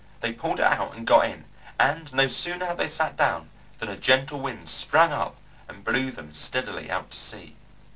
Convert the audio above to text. They pulled it out and got in, and no sooner had they sat down than a gentle wind sprang up and blew them steadily out to sea.